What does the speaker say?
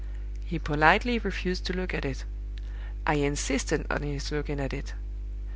He politely refused to look at it. I insisted on his looking at it.